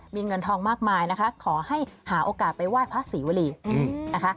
มีเงินทองมากมายนะคะขอให้หาโอกาสไปไหว้พระศรีวรีนะคะ